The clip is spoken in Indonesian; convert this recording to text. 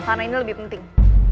karena ini lebih penting